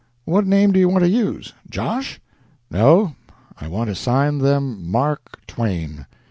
What name do you want to use Josh?" "No, I want to sign them Mark Twain.